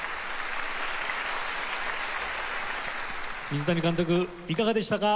水谷監督いかがでしたか？